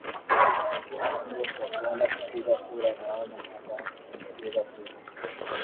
lakini sio kwa kwenda kupiga kura naona hata nimepiga kura